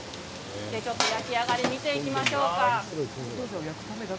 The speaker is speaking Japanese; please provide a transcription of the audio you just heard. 焼き上がり見ていきましょうか。